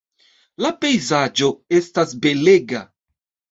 La pejzaĝo estas belega.